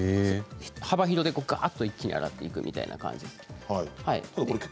幅広でがーっと一気に洗っていくみたいな感じです。